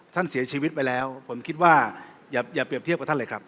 ท่านเสียชีวิตไปแล้วผมคิดว่าอย่าเปรียบเทียบกับท่านเลยครับ